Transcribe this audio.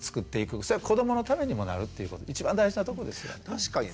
それは子どものためにもなるっていうこと一番大事なとこですよね。